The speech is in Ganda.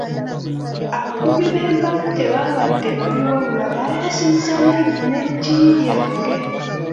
Abakubi b'empafu tebabadde babi wabula baayasizza n'eggi lyange.